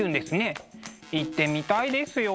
行ってみたいですよね。